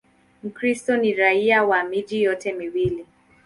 Mkristo ni raia wa miji yote miwili.